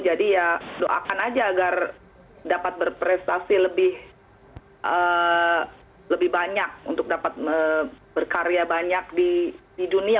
jadi ya doakan aja agar dapat berprestasi lebih banyak untuk dapat berkarya banyak di dunia